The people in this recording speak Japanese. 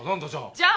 じゃあ。